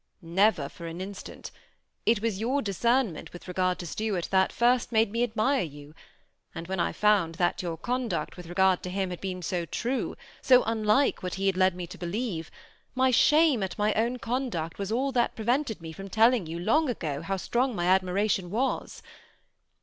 *''^ Never for an instant : it was your discernment with regard to Stuart that first made me admire you ; and when I found that your conduct with regard to him had been so true, so unlike what he had led me to believe, my shame at my own conduct was all that prevented me from telling you, long ago, how strong my admiration was.